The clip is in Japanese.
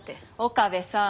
岡部さん